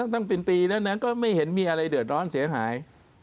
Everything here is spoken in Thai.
ตั้งเป็นปีแล้วนะก็ไม่เห็นมีอะไรเดือดร้อนเสียหาย